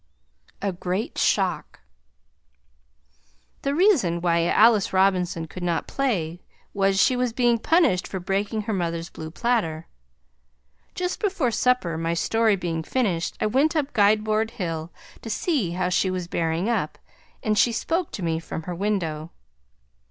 A GREAT SHOCK The reason why Alice Robinson could not play was, she was being punished for breaking her mother's blue platter. Just before supper my story being finished I went up Guide Board hill to see how she was bearing up and she spoke to me from her window.